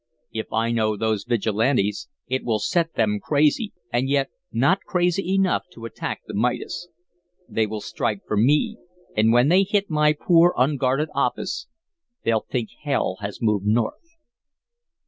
If I know those Vigilantes, it will set them crazy, and yet not crazy enough to attack the Midas. They will strike for me, and when they hit my poor, unguarded office, they'll think hell has moved North."